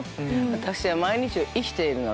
私は毎日を生きているの。